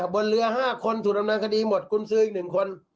บนเรือ๕คนถูกดำเนินคดีหมดกุญซื้ออีก๑คน